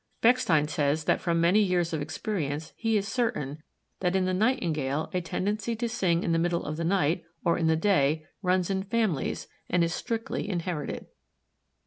Bechstein says that from many years of experience he is certain that in the Nightingale a tendency to sing in the middle of the night or in the day runs in families and is strictly inherited.